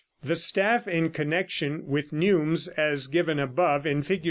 The staff, in connection with neumes, as given above in Fig.